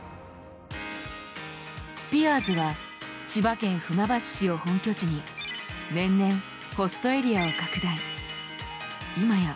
スピアーズは千葉県船橋市を本拠地に年々ホストエリアを拡大。